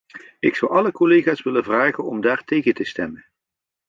Ik zou alle collega's willen vragen daar tegen te stemmen.